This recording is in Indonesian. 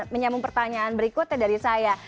menyambung pertanyaan berikutnya dari saya